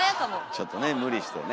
ちょっとね無理してね。